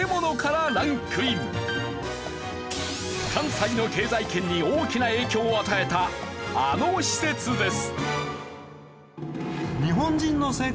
関西の経済圏に大きな影響を与えたあの施設です。